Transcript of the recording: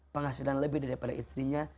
penghasilan lebih daripada istrinya